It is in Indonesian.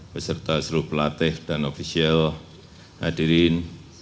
beserta seluruh pelatih dan ofisial hadirin